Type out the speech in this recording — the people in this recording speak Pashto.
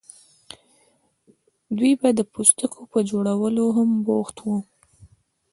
دوی به د پوستکو په جوړولو هم بوخت وو.